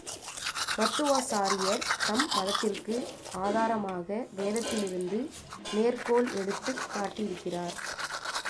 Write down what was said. மத்துவாசாரியர் தம் மதத்திற்கு ஆதாரமாக வேதத்திலிருந்து மேற்கோள் எடுத்துக் காட்டியிருக்கிறார்.